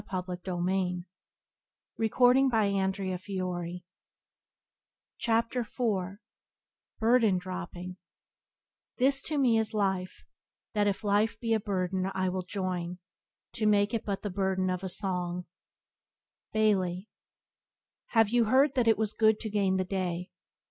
Byways to Blessedness by James Allen 17 Burden Dropping "This to me is life; That if life be a burden, I will join To make it but the burden of a song." —Bailey. "Have you heard that it was good to gain the day?